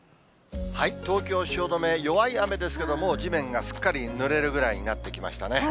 東京・汐留、弱い雨ですけども、もう地面がすっかりぬれるぐらいになってきましたね。